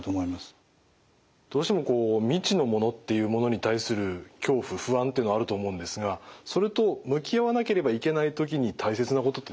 どうしてもこう未知のものっていうものに対する恐怖不安っていうのはあると思うんですがそれと向き合わなければいけない時に大切なことって何になりますか？